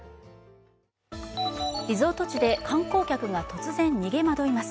リゾート地で観光客が突然逃げ惑います。